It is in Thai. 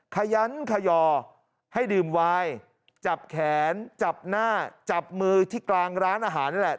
ขยันขยอให้ดื่มวายจับแขนจับหน้าจับมือที่กลางร้านอาหารนี่แหละ